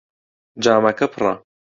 جامەکە پڕە.